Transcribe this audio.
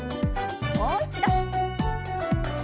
もう一度。